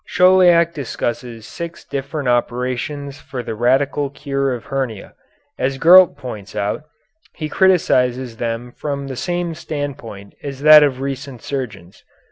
Chauliac discusses six different operations for the radical cure of hernia. As Gurlt points out, he criticises them from the same standpoint as that of recent surgeons.